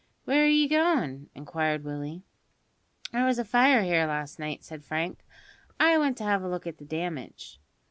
"Where are ye goin'?" inquired Willie. "There was a fire here last night," said Frank; "I want to have a look at the damage."